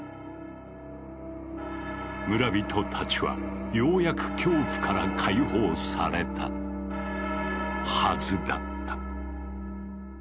村人たちはようやく恐怖から解放されたはずだった。